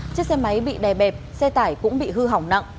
chiếc xe máy bị đè bẹp xe tải cũng bị hư hỏng nặng